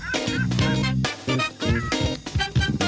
โปรดติดตามตอนต่อไป